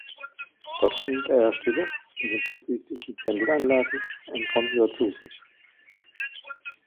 Dort filmt er „Stille“ in den buddhistischen Tempelanlagen und kommt wieder zu sich.